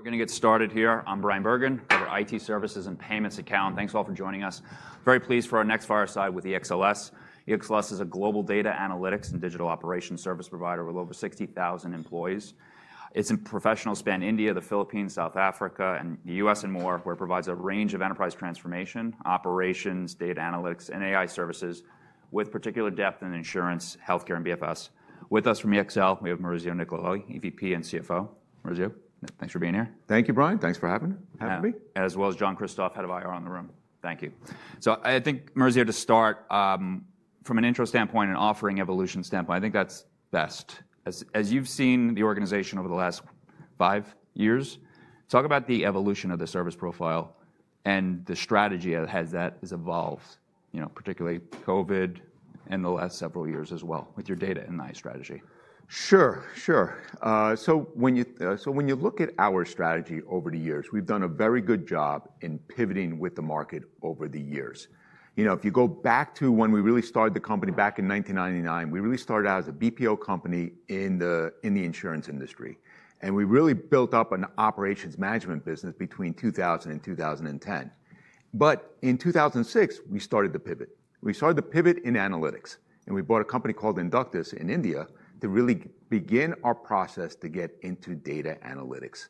We're going to get started here. I'm Bryan Bergin, head of our IT Services and Payments account. Thanks all for joining us. Very pleased for our next fireside with EXLS. EXLS is a global data analytics and digital operations service provider with over 60,000 employees. It's in professional span India, the Philippines, South Africa, and the U.S. and more, where it provides a range of enterprise transformation, operations, data analytics, and AI services with particular depth in insurance, healthcare, and BFS. With us from EXL, we have Maurizio Nicolelli, VP and CFO. Maurizio, thanks for being here. Thank you, Bryan. Thanks for having me. As well as John Kristoff, Head of IR in the room. Thank you. I think, Maurizio, to start, from an intro standpoint and offering evolution standpoint, I think that's best. As you've seen the organization over the last five years, talk about the evolution of the service profile and the strategy as that has evolved, particularly COVID in the last several years as well with your data and the AI strategy. Sure, sure. When you look at our strategy over the years, we've done a very good job in pivoting with the market over the years. If you go back to when we really started the company back in 1999, we really started out as a BPO company in the insurance industry. We really built up an operations management business between 2000 and 2010. In 2006, we started the pivot. We started the pivot in analytics. We bought a company called Inductus in India to really begin our process to get into data analytics.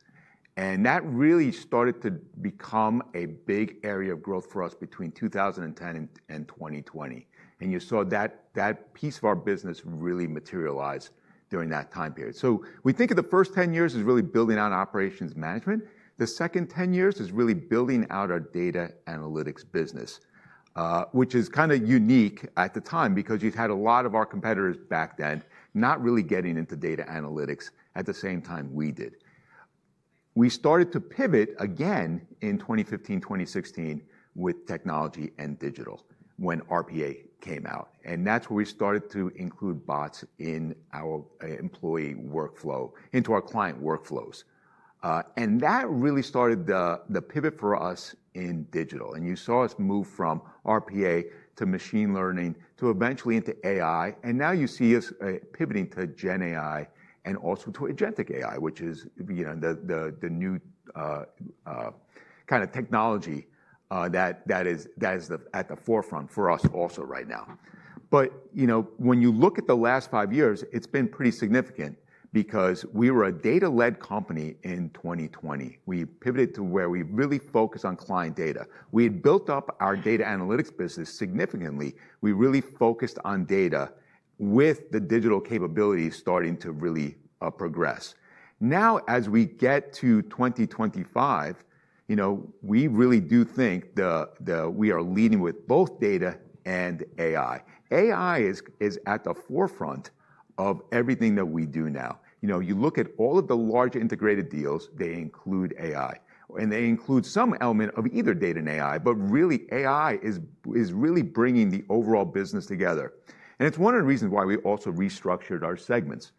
That really started to become a big area of growth for us between 2010 and 2020. You saw that piece of our business really materialize during that time period. We think of the first 10 years as really building out operations management. The second 10 years is really building out our data analytics business, which is kind of unique at the time because you had a lot of our competitors back then not really getting into data analytics at the same time we did. We started to pivot again in 2015, 2016 with technology and digital when RPA came out. That is where we started to include bots in our employee workflow, into our client workflows. That really started the pivot for us in digital. You saw us move from RPA to machine learning to eventually into AI. Now you see us pivoting to GenAI and also to agentic AI, which is the new kind of technology that is at the forefront for us also right now. When you look at the last five years, it has been pretty significant because we were a data-led company in 2020. We pivoted to where we really focused on client data. We had built up our data analytics business significantly. We really focused on data with the digital capabilities starting to really progress. Now, as we get to 2025, we really do think that we are leading with both data and AI. AI is at the forefront of everything that we do now. You look at all of the large integrated deals, they include AI. They include some element of either data and AI. Really, AI is really bringing the overall business together. It is one of the reasons why we also restructured our segments,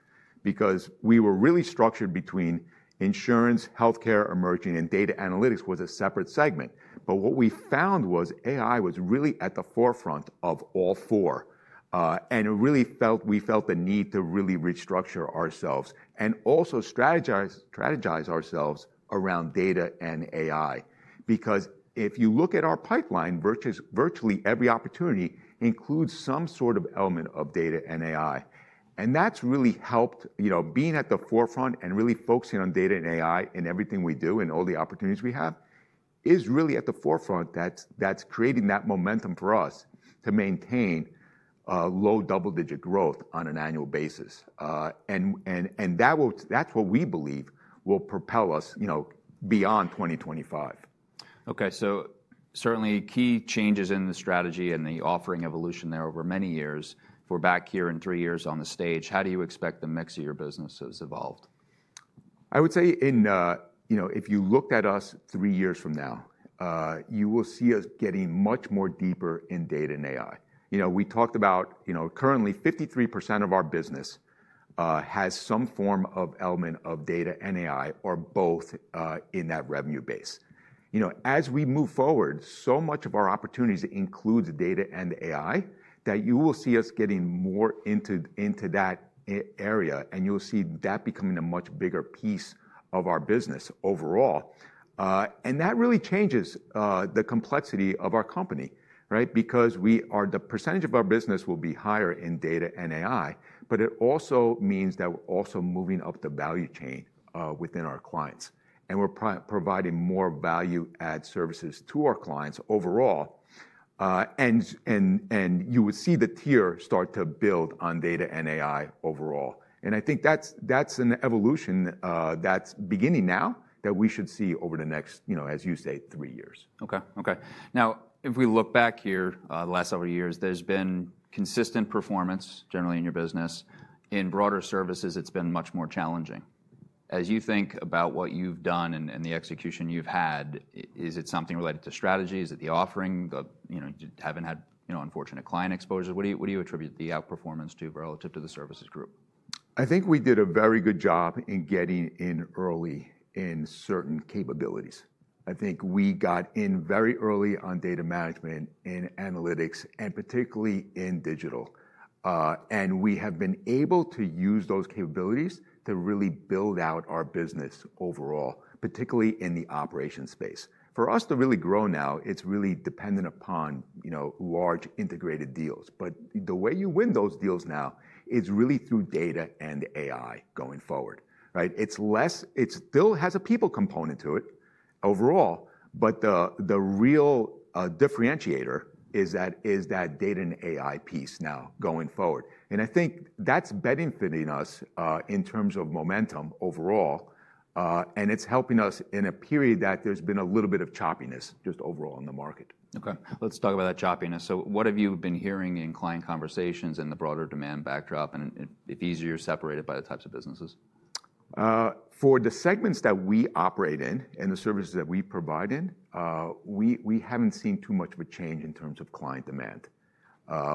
because we were really structured between insurance, healthcare, emerging, and data analytics was a separate segment. What we found was AI was really at the forefront of all four. We felt the need to really restructure ourselves and also strategize ourselves around data and AI. Because if you look at our pipeline, virtually every opportunity includes some sort of element of data and AI. That has really helped being at the forefront and really focusing on data and AI in everything we do and all the opportunities we have is really at the forefront. That is creating that momentum for us to maintain low double-digit growth on an annual basis. That is what we believe will propel us beyond 2025. OK, so certainly key changes in the strategy and the offering evolution there over many years. We're back here in three years on the stage. How do you expect the mix of your businesses evolved? I would say if you looked at us three years from now, you will see us getting much more deeper in data and AI. We talked about currently 53% of our business has some form of element of data and AI or both in that revenue base. As we move forward, so much of our opportunities includes data and AI that you will see us getting more into that area. You will see that becoming a much bigger piece of our business overall. That really changes the complexity of our company because the percentage of our business will be higher in data and AI. It also means that we're also moving up the value chain within our clients. We're providing more value-added services to our clients overall. You would see the tier start to build on data and AI overall. I think that's an evolution that's beginning now that we should see over the next, as you say, three years. OK, OK. Now, if we look back here the last several years, there's been consistent performance generally in your business. In broader services, it's been much more challenging. As you think about what you've done and the execution you've had, is it something related to strategy? Is it the offering? Having had unfortunate client exposures, what do you attribute the outperformance to relative to the services group? I think we did a very good job in getting in early in certain capabilities. I think we got in very early on data management and analytics, and particularly in digital. We have been able to use those capabilities to really build out our business overall, particularly in the operations space. For us to really grow now, it's really dependent upon large integrated deals. The way you win those deals now is really through data and AI going forward. It still has a people component to it overall. The real differentiator is that data and AI piece now going forward. I think that's benefiting us in terms of momentum overall. It's helping us in a period that there's been a little bit of choppiness just overall in the market. OK, let's talk about that choppiness. What have you been hearing in client conversations and the broader demand backdrop? If easier, separate it by the types of businesses. For the segments that we operate in and the services that we provide in, we haven't seen too much of a change in terms of client demand.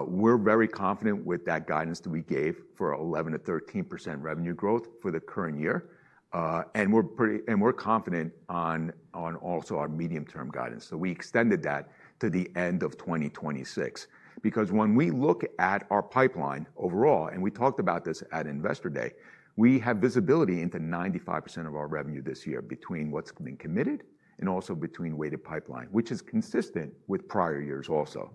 We're very confident with that guidance that we gave for 11%-13% revenue growth for the current year. We're confident on also our medium-term guidance. We extended that to the end of 2026. Because when we look at our pipeline overall, and we talked about this at Investor Day, we have visibility into 95% of our revenue this year between what's been committed and also between weighted pipeline, which is consistent with prior years also.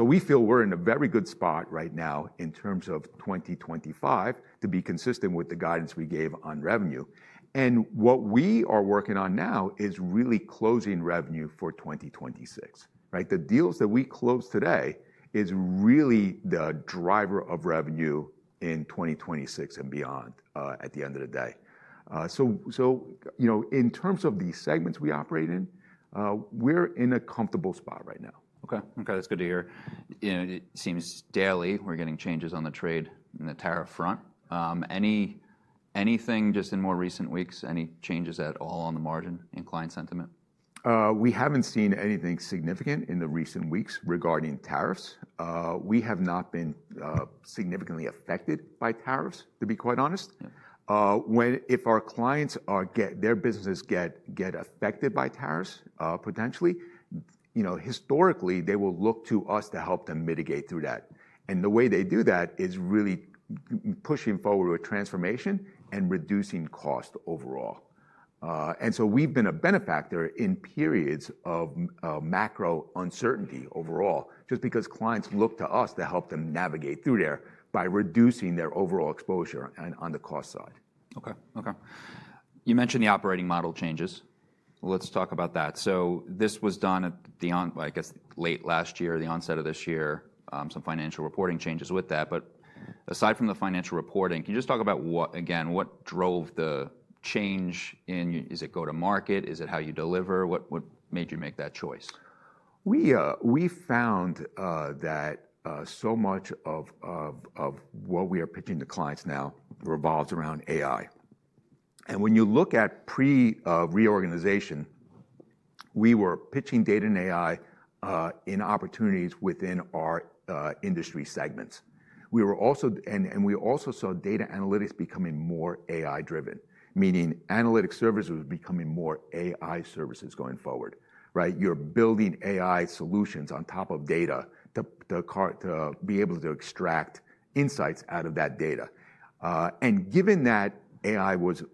We feel we're in a very good spot right now in terms of 2025 to be consistent with the guidance we gave on revenue. What we are working on now is really closing revenue for 2026. The deals that we close today is really the driver of revenue in 2026 and beyond at the end of the day. In terms of the segments we operate in, we're in a comfortable spot right now. OK, OK, that's good to hear. It seems daily we're getting changes on the trade and the tariff front. Anything just in more recent weeks, any changes at all on the margin in client sentiment? We haven't seen anything significant in the recent weeks regarding tariffs. We have not been significantly affected by tariffs, to be quite honest. If our clients or their businesses get affected by tariffs potentially, historically, they will look to us to help them mitigate through that. The way they do that is really pushing forward with transformation and reducing cost overall. We have been a benefactor in periods of macro uncertainty overall just because clients look to us to help them navigate through there by reducing their overall exposure on the cost side. OK, OK. You mentioned the operating model changes. Let's talk about that. This was done at the, I guess, late last year, the onset of this year, some financial reporting changes with that. Aside from the financial reporting, can you just talk about, again, what drove the change in? Is it go-to-market? Is it how you deliver? What made you make that choice? We found that so much of what we are pitching to clients now revolves around AI. When you look at pre-reorganization, we were pitching data and AI in opportunities within our industry segments. We also saw data analytics becoming more AI-driven, meaning analytic services becoming more AI services going forward. You are building AI solutions on top of data to be able to extract insights out of that data. Given that AI was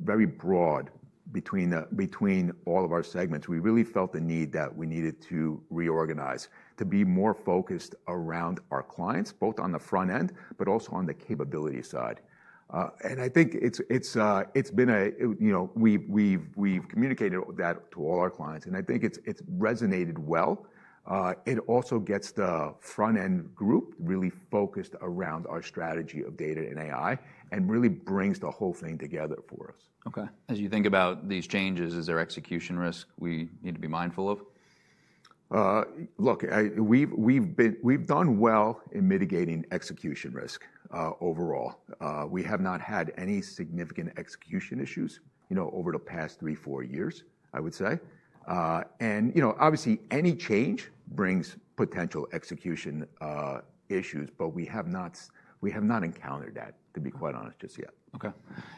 very broad between all of our segments, we really felt the need that we needed to reorganize to be more focused around our clients, both on the front end, but also on the capability side. I think it has been a, we have communicated that to all our clients. I think it has resonated well. It also gets the front-end group really focused around our strategy of data and AI and really brings the whole thing together for us. OK, as you think about these changes, is there execution risk we need to be mindful of? Look, we've done well in mitigating execution risk overall. We have not had any significant execution issues over the past three, four years, I would say. Obviously, any change brings potential execution issues. We have not encountered that, to be quite honest, just yet. OK,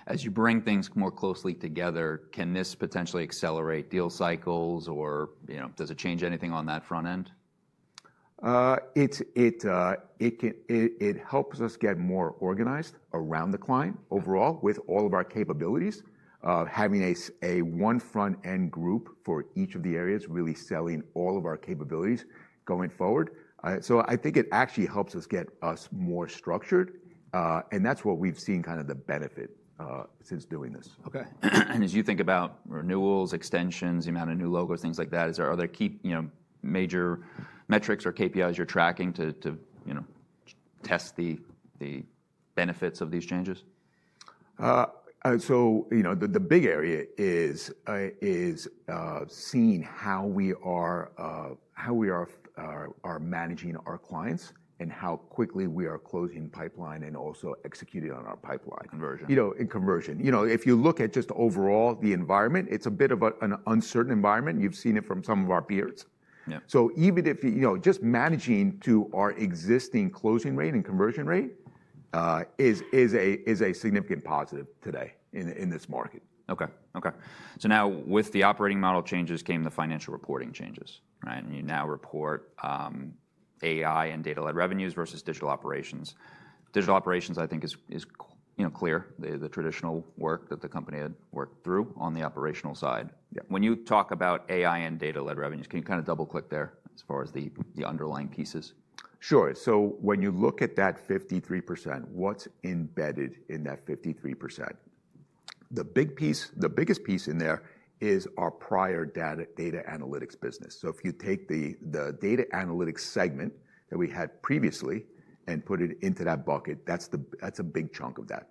as you bring things more closely together, can this potentially accelerate deal cycles? Or does it change anything on that front? It helps us get more organized around the client overall with all of our capabilities, having a one front-end group for each of the areas really selling all of our capabilities going forward. I think it actually helps us get us more structured. That is what we have seen kind of the benefit since doing this. OK, and as you think about renewals, extensions, the amount of new logos, things like that, are there key major metrics or KPIs you're tracking to test the benefits of these changes? The big area is seeing how we are managing our clients and how quickly we are closing pipeline and also executing on our pipeline. Conversion. In conversion. If you look at just overall the environment, it's a bit of an uncertain environment. You've seen it from some of our peers. Even if just managing to our existing closing rate and conversion rate is a significant positive today in this market. OK, OK. Now with the operating model changes came the financial reporting changes. You now report AI and data-led revenues versus digital operations. Digital operations, I think, is clear, the traditional work that the company had worked through on the operational side. When you talk about AI and data-led revenues, can you kind of double-click there as far as the underlying pieces? Sure. When you look at that 53%, what's embedded in that 53%? The biggest piece in there is our prior data analytics business. If you take the data analytics segment that we had previously and put it into that bucket, that's a big chunk of that.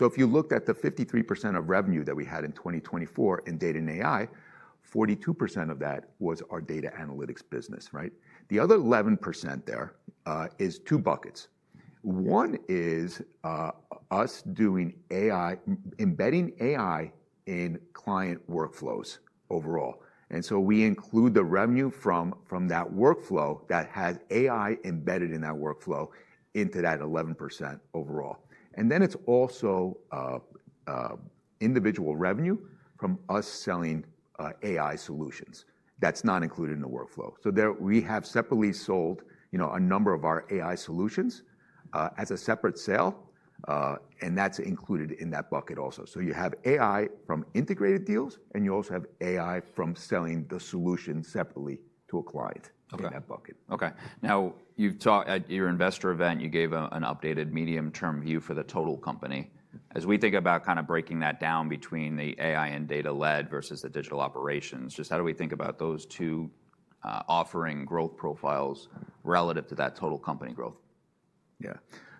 If you looked at the 53% of revenue that we had in 2024 in data and AI, 42% of that was our data analytics business. The other 11% there is two buckets. One is us doing AI, embedding AI in client workflows overall. We include the revenue from that workflow that has AI embedded in that workflow into that 11% overall. Then it's also individual revenue from us selling AI solutions. That's not included in the workflow. We have separately sold a number of our AI solutions as a separate sale. That's included in that bucket also. You have AI from integrated deals, and you also have AI from selling the solution separately to a client in that bucket. OK, OK. Now, at your Investor event, you gave an updated medium-term view for the total company. As we think about kind of breaking that down between the AI and data-led versus the digital operations, just how do we think about those two offering growth profiles relative to that total company growth? Yeah,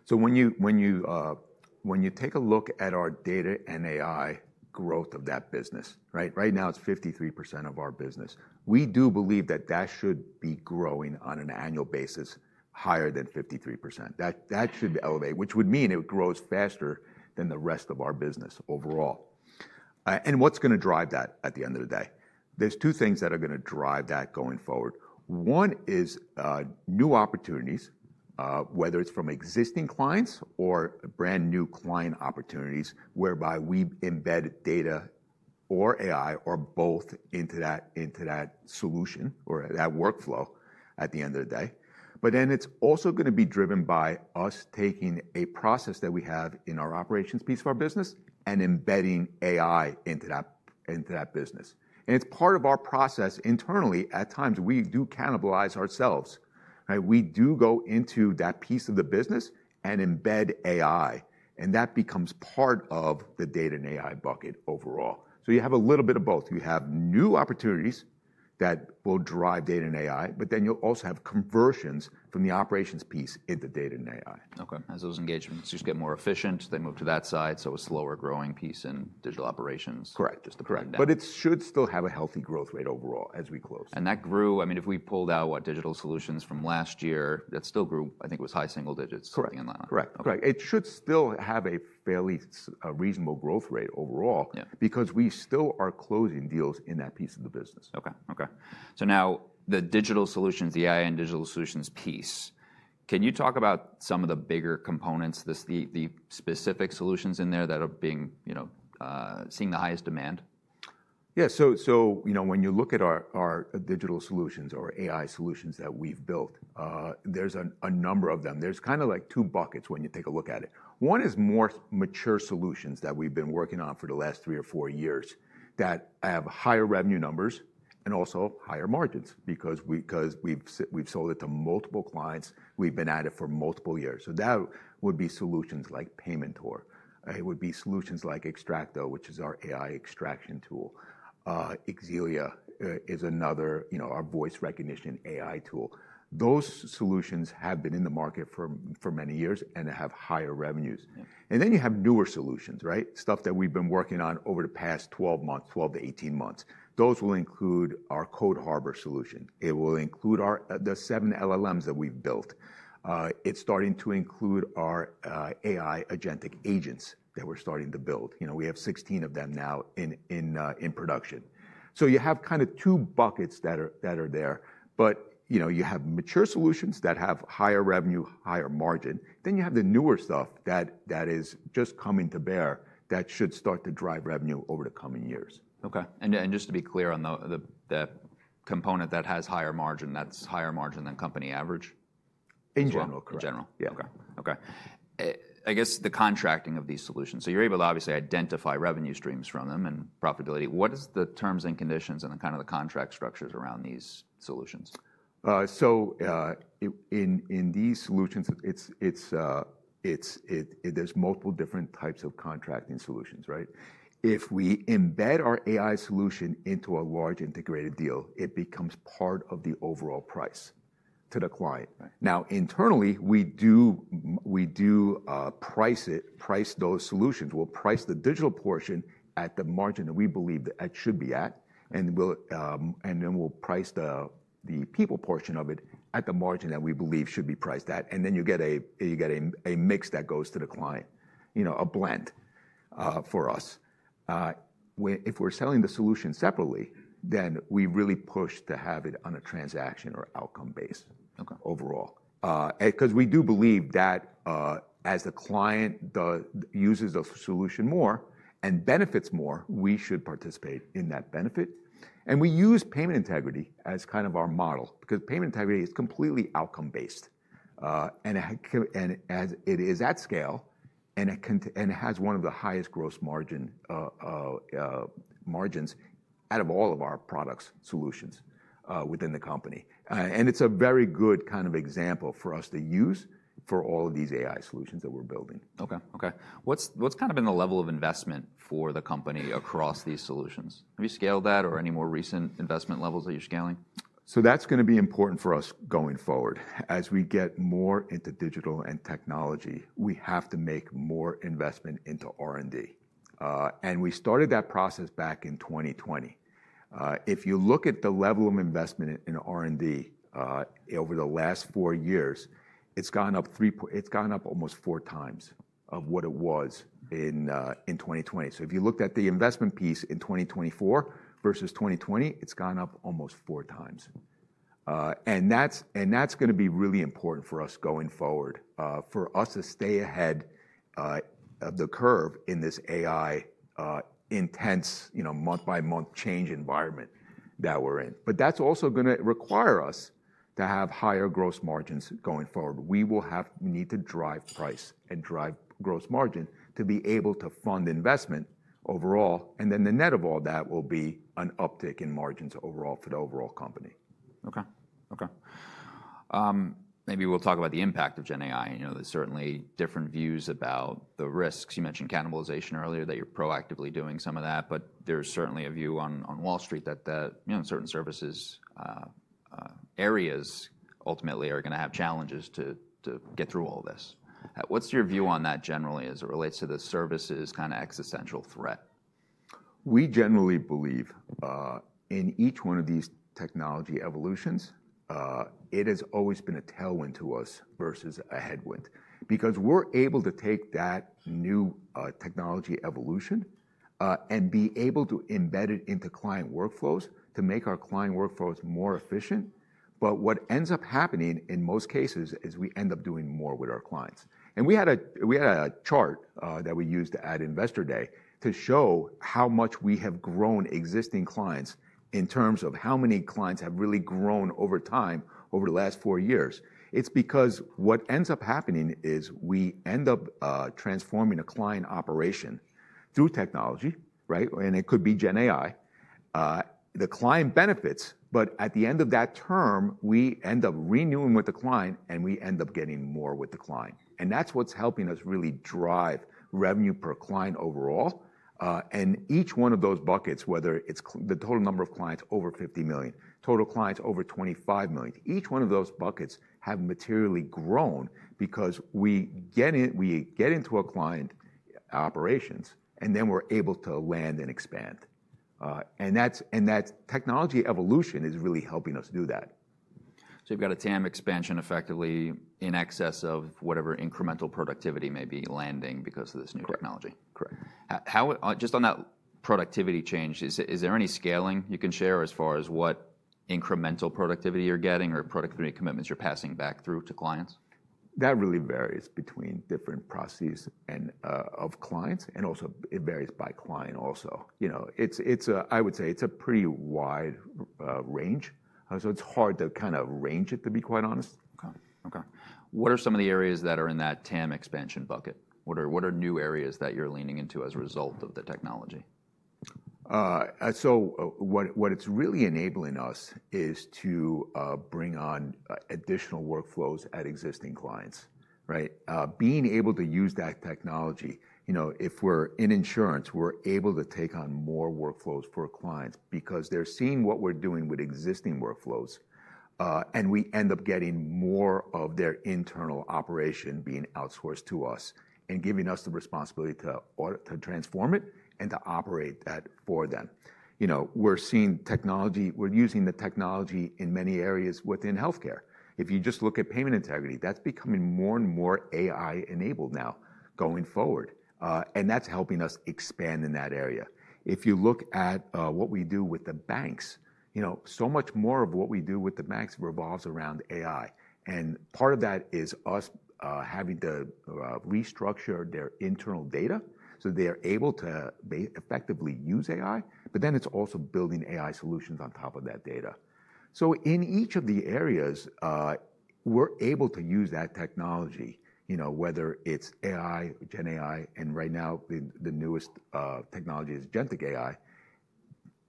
so when you take a look at our data and AI growth of that business, right now it's 53% of our business. We do believe that that should be growing on an annual basis higher than 53%. That should be elevated, which would mean it grows faster than the rest of our business overall. What's going to drive that at the end of the day? There are two things that are going to drive that going forward. One is new opportunities, whether it's from existing clients or brand new client opportunities whereby we embed data or AI or both into that solution or that workflow at the end of the day. It is also going to be driven by us taking a process that we have in our operations piece of our business and embedding AI into that business. It's part of our process internally. At times, we do cannibalize ourselves. We do go into that piece of the business and embed AI. That becomes part of the data and AI bucket overall. You have a little bit of both. You have new opportunities that will drive data and AI. You will also have conversions from the operations piece into data and AI. OK, as those engagements just get more efficient, they move to that side. So a slower growing piece in digital operations. Correct, but it should still have a healthy growth rate overall as we close. That grew, I mean, if we pulled out what digital solutions from last year, that still grew, I think it was high single digits. Correct, correct. It should still have a fairly reasonable growth rate overall because we still are closing deals in that piece of the business. OK, OK. Now the digital solutions, the AI and digital solutions piece, can you talk about some of the bigger components, the specific solutions in there that are seeing the highest demand? Yeah, so when you look at our digital solutions or AI solutions that we've built, there's a number of them. There's kind of like two buckets when you take a look at it. One is more mature solutions that we've been working on for the last three or four years that have higher revenue numbers and also higher margins because we've sold it to multiple clients. We've been at it for multiple years. That would be solutions like Paymentor. It would be solutions like XTRAKTO, which is our AI extraction tool. EXELIA is another, our voice recognition AI tool. Those solutions have been in the market for many years and have higher revenues. Then you have newer solutions, stuff that we've been working on over the past 12 months, 12 to 18 months. Those will include our Code Harbor solution. It will include the seven LLMs that we've built. It's starting to include our AI agentic agents that we're starting to build. We have 16 of them now in production. You have kind of two buckets that are there. You have mature solutions that have higher revenue, higher margin. Then you have the newer stuff that is just coming to bear that should start to drive revenue over the coming years. OK, and just to be clear on the component that has higher margin, that's higher margin than company average? In general, correct. In general, yeah, OK, OK. I guess the contracting of these solutions. So you're able to obviously identify revenue streams from them and profitability. What is the terms and conditions and the kind of the contract structures around these solutions? In these solutions, there's multiple different types of contracting solutions. If we embed our AI solution into a large integrated deal, it becomes part of the overall price to the client. Now, internally, we do price those solutions. We'll price the digital portion at the margin that we believe that it should be at. Then we'll price the people portion of it at the margin that we believe should be priced at. Then you get a mix that goes to the client, a blend for us. If we're selling the solution separately, then we really push to have it on a transaction or outcome base overall. We do believe that as the client uses the solution more and benefits more, we should participate in that benefit. We use payment integrity as kind of our model because payment integrity is completely outcome-based. It is at scale. It has one of the highest gross margins out of all of our product solutions within the company. It is a very good kind of example for us to use for all of these AI solutions that we're building. OK, OK. What's kind of been the level of investment for the company across these solutions? Have you scaled that or any more recent investment levels that you're scaling? That's going to be important for us going forward. As we get more into digital and technology, we have to make more investment into R&D. We started that process back in 2020. If you look at the level of investment in R&D over the last four years, it's gone up almost four times what it was in 2020. If you looked at the investment piece in 2024 versus 2020, it's gone up almost four times. That's going to be really important for us going forward for us to stay ahead of the curve in this AI intense month-by-month change environment that we're in. That's also going to require us to have higher gross margins going forward. We will need to drive price and drive gross margin to be able to fund investment overall. The net of all that will be an uptick in margins overall for the overall company. OK, OK. Maybe we'll talk about the impact of GenAI. There's certainly different views about the risks. You mentioned cannibalization earlier that you're proactively doing some of that. There's certainly a view on Wall Street that certain services areas ultimately are going to have challenges to get through all this. What's your view on that generally as it relates to the services kind of existential threat? We generally believe in each one of these technology evolutions, it has always been a tailwind to us versus a headwind because we're able to take that new technology evolution and be able to embed it into client workflows to make our client workflows more efficient. What ends up happening in most cases is we end up doing more with our clients. We had a chart that we used at Investor Day to show how much we have grown existing clients in terms of how many clients have really grown over time over the last four years. It's because what ends up happening is we end up transforming a client operation through technology. It could be GenAI. The client benefits. At the end of that term, we end up renewing with the client. We end up getting more with the client. That's what's helping us really drive revenue per client overall. Each one of those buckets, whether it's the total number of clients over $50 million, total clients over $25 million, each one of those buckets have materially grown because we get into a client operations. Then we're able to land and expand. That technology evolution is really helping us do that. You've got a TAM expansion effectively in excess of whatever incremental productivity may be landing because of this new technology. Correct, correct. Just on that productivity change, is there any scaling you can share as far as what incremental productivity you're getting or productivity commitments you're passing back through to clients? That really varies between different processes of clients. It varies by client also. I would say it's a pretty wide range. It's hard to kind of range it, to be quite honest. OK, OK. What are some of the areas that are in that TAM expansion bucket? What are new areas that you're leaning into as a result of the technology? What it's really enabling us is to bring on additional workflows at existing clients. Being able to use that technology, if we're in insurance, we're able to take on more workflows for clients because they're seeing what we're doing with existing workflows. We end up getting more of their internal operation being outsourced to us and giving us the responsibility to transform it and to operate that for them. We're seeing technology. We're using the technology in many areas within health care. If you just look at payment integrity, that's becoming more and more AI-enabled now going forward. That's helping us expand in that area. If you look at what we do with the banks, so much more of what we do with the banks revolves around AI. Part of that is us having to restructure their internal data so they are able to effectively use AI. It is also building AI solutions on top of that data. In each of the areas, we are able to use that technology, whether it is AI, GenAI, and right now, the newest technology is Agentic AI,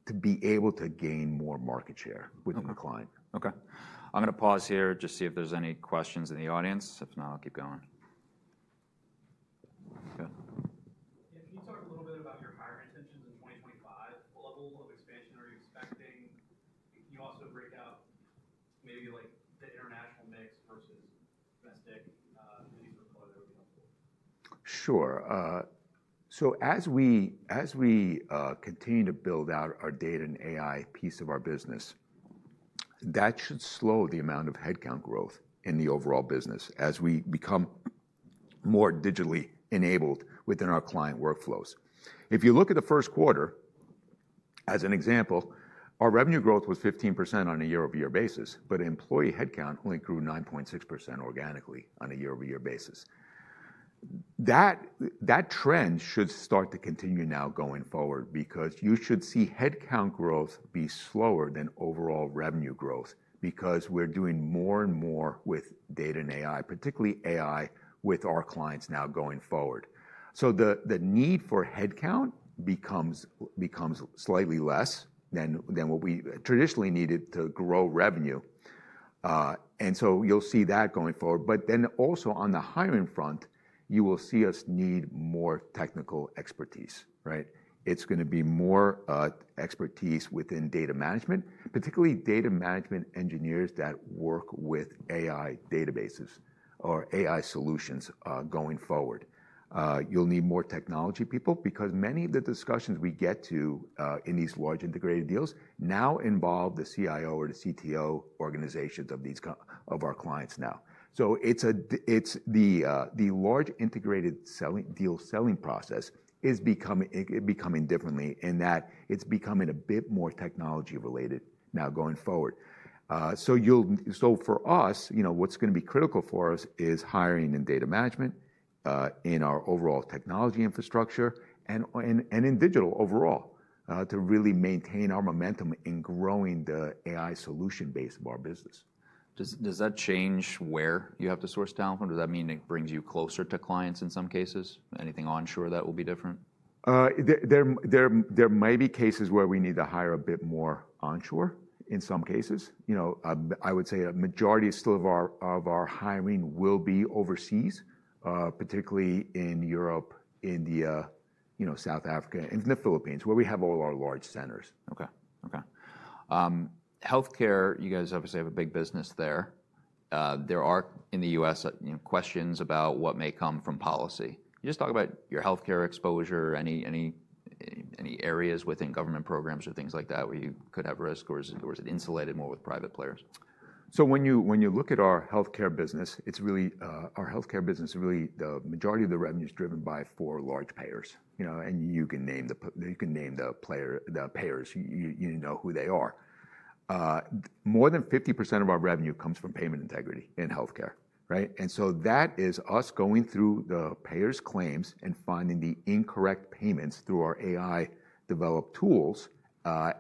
to be able to gain more market share within the client. OK, I'm going to pause here just to see if there's any questions in the audience. If not, I'll keep going. Can you talk a little bit about your hiring intentions in 2025? What level of expansion are you expecting? Can you also break out maybe the international mix versus domestic? Any sort of color that would be helpful. Sure. As we continue to build out our data and AI piece of our business, that should slow the amount of headcount growth in the overall business as we become more digitally enabled within our client workflows. If you look at the first quarter, as an example, our revenue growth was 15% on a year-over-year basis. Employee headcount only grew 9.6% organically on a year-over-year basis. That trend should start to continue now going forward because you should see headcount growth be slower than overall revenue growth because we're doing more and more with data and AI, particularly AI with our clients now going forward. The need for headcount becomes slightly less than what we traditionally needed to grow revenue. You will see that going forward. Also, on the hiring front, you will see us need more technical expertise. It's going to be more expertise within data management, particularly data management engineers that work with AI databases or AI solutions going forward. You'll need more technology people because many of the discussions we get to in these large integrated deals now involve the CIO or the CTO organizations of our clients now. The large integrated deal selling process is becoming differently in that it's becoming a bit more technology-related now going forward. For us, what's going to be critical for us is hiring and data management in our overall technology infrastructure and in digital overall to really maintain our momentum in growing the AI solution base of our business. Does that change where you have to source down from? Does that mean it brings you closer to clients in some cases? Anything onshore that will be different? There may be cases where we need to hire a bit more onshore in some cases. I would say a majority still of our hiring will be overseas, particularly in Europe, India, South Africa, and the Philippines where we have all our large centers. OK, OK. Health care, you guys obviously have a big business there. There are, in the U.S., questions about what may come from policy. Can you just talk about your health care exposure, any areas within government programs or things like that where you could have risk, or is it insulated more with private players? When you look at our health care business, our health care business, really the majority of the revenue is driven by four large payers. You can name the payers. You know who they are. More than 50% of our revenue comes from payment integrity in health care. That is us going through the payers' claims and finding the incorrect payments through our AI-developed tools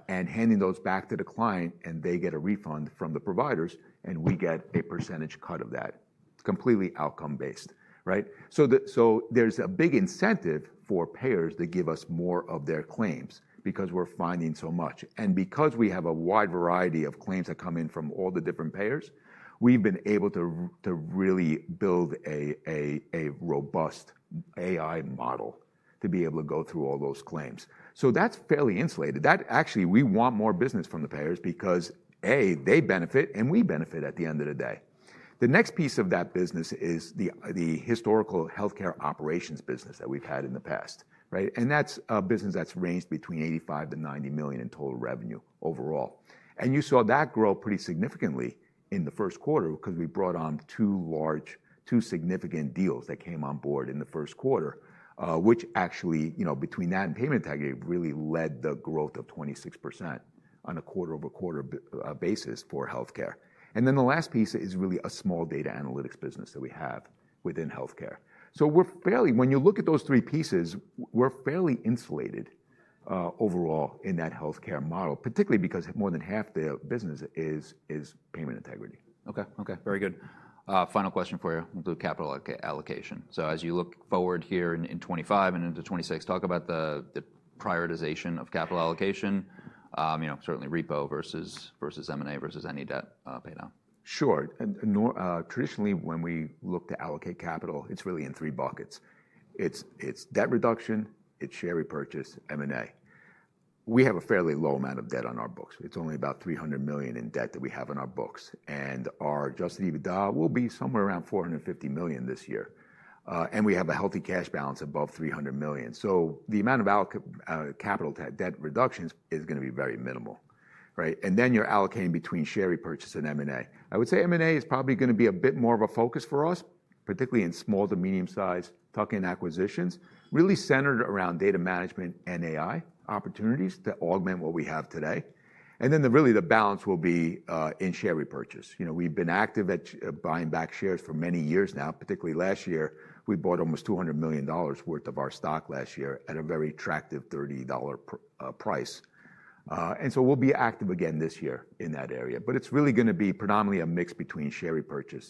and handing those back to the client. They get a refund from the providers. We get a percentage cut of that. Completely outcome-based. There is a big incentive for payers to give us more of their claims because we are finding so much. Because we have a wide variety of claims that come in from all the different payers, we have been able to really build a robust AI model to be able to go through all those claims. That's fairly insulated. Actually, we want more business from the payers because, A, they benefit. And we benefit at the end of the day. The next piece of that business is the historical health care operations business that we've had in the past. That's a business that's ranged between $85 million-$90 million in total revenue overall. You saw that grow pretty significantly in the first quarter because we brought on two significant deals that came on board in the first quarter, which actually, between that and payment integrity, really led the growth of 26% on a quarter-over-quarter basis for health care. The last piece is really a small data analytics business that we have within health care. When you look at those three pieces, we're fairly insulated overall in that health care model, particularly because more than half the business is payment integrity. OK, OK. Very good. Final question for you. We'll do capital allocation. As you look forward here in 2025 and into 2026, talk about the prioritization of capital allocation, certainly repo versus M&A versus any debt pay down. Sure. Traditionally, when we look to allocate capital, it's really in three buckets. It's debt reduction. It's share repurchase, M&A. We have a fairly low amount of debt on our books. It's only about $300 million in debt that we have on our books. And our adjusted EBITDA will be somewhere around $450 million this year. And we have a healthy cash balance above $300 million. So the amount of capital debt reductions is going to be very minimal. And then you're allocating between share repurchase and M&A. I would say M&A is probably going to be a bit more of a focus for us, particularly in small to medium-sized tuck-in acquisitions, really centered around data management and AI opportunities to augment what we have today. And then really the balance will be in share repurchase. We've been active at buying back shares for many years now. Particularly last year, we bought almost $200 million worth of our stock last year at a very attractive $30 price. We will be active again this year in that area. It is really going to be predominantly a mix between share repurchase.